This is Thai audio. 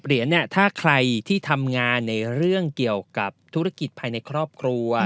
เหรียญถ้าใครที่ทำงานในเรื่องเกี่ยวกับธุรกิจภายในครอบครัว